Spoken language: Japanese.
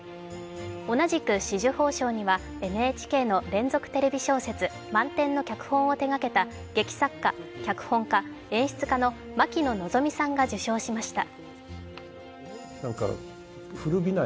同じく紫綬褒章にはＮＨＫの連続テレビ小説「まんてん」の脚本を手がけた劇作家・脚本家・演出家のマキノノゾミさんが受章しました。